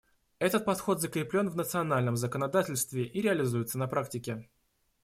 Этот подход закреплен в национальном законодательстве и реализуется на практике.